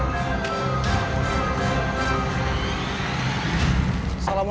di depan rumah hoe